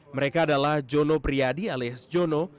mereka adalah jono priadi alias jono